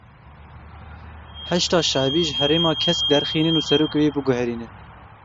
Heşda Şeibî ji Herêma Kesk derxînin û serokê wê biguherînin.